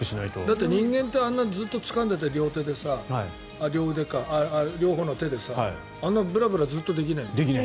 だって人間ってあんなに両手でつかんでいてさ両方の手で、あんなブラブラずっとできない。